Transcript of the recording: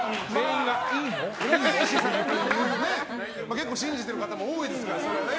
結構信じてる方も多いですからね。